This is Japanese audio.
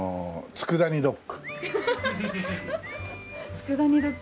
つくだ煮ドッグ？